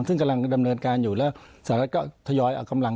ซึ่งกำลังดำเนินการอยู่แล้วสหรัฐก็ทยอยเอากำลัง